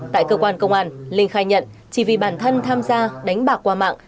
tại cơ quan công an linh khai nhận chỉ vì bản thân tham gia đánh bạc qua mạng